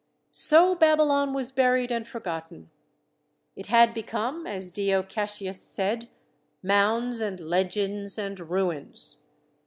So Babylon was buried and forgotten. It had become, as Dio Cassius said, "Mounds and legends and ruins."